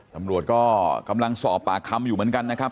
ตำรวจก็กำลังสอบปากคำอยู่เหมือนกันนะครับ